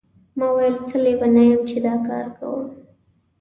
ما ویل څه لیونی یم چې دا کار کوم.